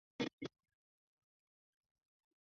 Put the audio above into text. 阿尔勒博斯克。